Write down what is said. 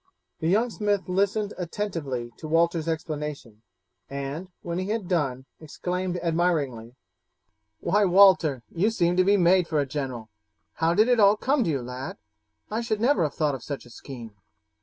The young smith listened attentively to Walter's explanation, and, when he had done, exclaimed admiringly: "Why, Walter, you seem to be made for a general. How did it all come to you, lad? I should never have thought of such a scheme."